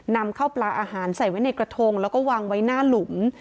นำเข้าปลาอาหารใส่ไว้ในกระทงแล้วก็วางไว้หน้าหลุม